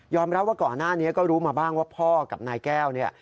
รับว่าก่อนหน้านี้ก็รู้มาบ้างว่าพ่อกับนายแก้วเนี่ย